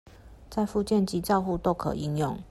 在復健及照護都可應用